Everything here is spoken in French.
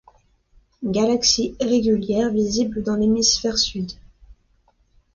Galaxie irrégulière visible dans l'hémisphère sud.